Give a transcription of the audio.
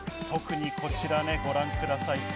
特にこちら、ご覧ください。